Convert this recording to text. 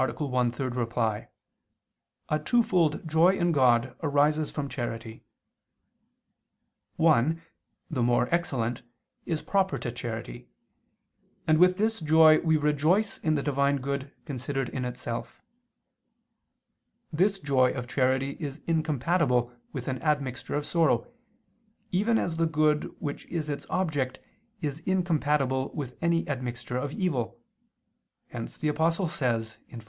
1, ad 3), a twofold joy in God arises from charity. One, the more excellent, is proper to charity; and with this joy we rejoice in the Divine good considered in itself. This joy of charity is incompatible with an admixture of sorrow, even as the good which is its object is incompatible with any admixture of evil: hence the Apostle says (Phil.